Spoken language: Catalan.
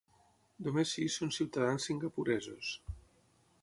Només sis són ciutadans singapuresos.